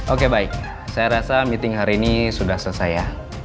oke baik saya rasa meeting hari ini sudah selesai ya